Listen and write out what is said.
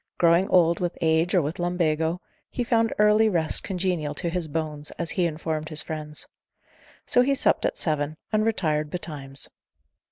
Growing old with age or with lumbago, he found early rest congenial to his bones, as he informed his friends: so he supped at seven, and retired betimes.